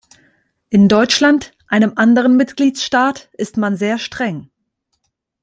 In Deutschland, einem anderen Mitgliedstaat, ist man sehr streng.